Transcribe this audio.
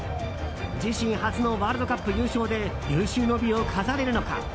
自身初のワールドカップ優勝で有終の美を飾れるのか。